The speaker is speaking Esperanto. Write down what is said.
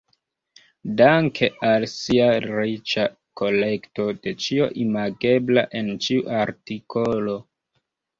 Danke al sia riĉa kolekto de ĉio imagebla en ĉiu artikolo.